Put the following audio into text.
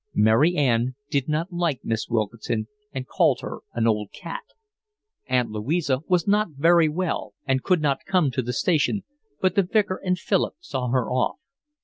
Mary Ann did not like Miss Wilkinson and called her an old cat. Aunt Louisa was not very well and could not come to the station, but the Vicar and Philip saw her off.